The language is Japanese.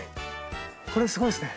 これすごいっすね。